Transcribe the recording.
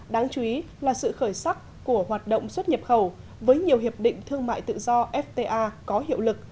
đáng chú ý là sự khởi sắc của hoạt động xuất nhập khẩu với nhiều hiệp định thương mại tự do fta có hiệu lực